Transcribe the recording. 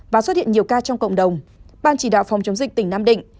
và xuất hiện nhiều ca trong cộng đồng ban chỉ đạo phòng chống dịch tỉnh nam định